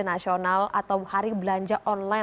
nasional atau hari belanja online